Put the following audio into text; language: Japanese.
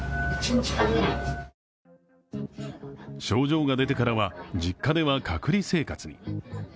症状が出てからは実家では隔離生活に。